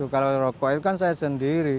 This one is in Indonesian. kalau rokok itu kan saya sendiri